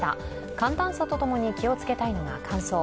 寒暖差とともに気をつけたいのが乾燥。